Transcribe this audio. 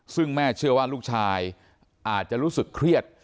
ซึ่งแม่เชื่อว่าลูกชายอาจจะรู้สึกเครียด